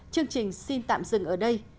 chương trình xin tạm dừng ở đây